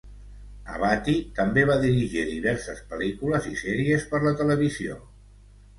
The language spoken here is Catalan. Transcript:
Avati també va dirigir diverses pel·lícules i sèries per la televisió.